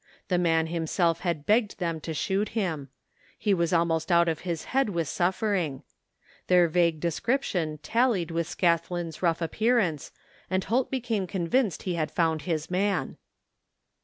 The man himself had begged them to shoot him. He was almost out of his head with suffering. Their vague description tallied with Scathlin's rough appearance and Holt became convinced he had found his man.